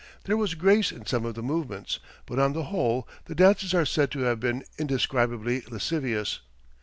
There was grace in some of the movements, but on the whole the dances are said to have been "indescribably lascivious."